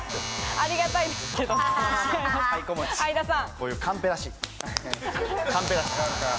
こういうカンペ出しカンペ出し。